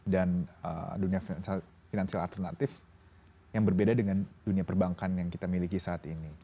dan dunia finansial alternatif yang berbeda dengan dunia perbankan yang kita miliki saat ini